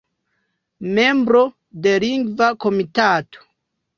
Membro de Lingva Komitato.